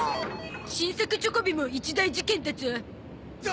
新作チョコビも一大事件だゾ。